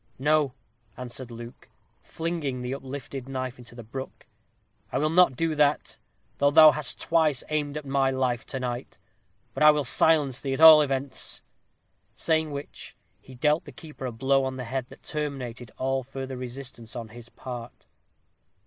"No," answered Luke, flinging the uplifted knife into the brook. "I will not do that, though thou hast twice aimed at my life to night. But I will silence thee, at all events." Saying which, he dealt the keeper a blow on the head that terminated all further resistance on his part.